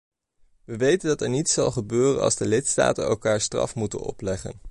Wij weten dat er niets zal gebeuren als de lidstaten elkaar straf moeten opleggen.